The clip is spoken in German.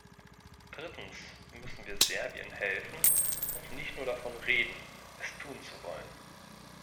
Drittens müssen wir Serbien helfen und nicht nur davon reden, es tun zu wollen.